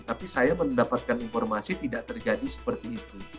tapi saya mendapatkan informasi tidak terjadi seperti itu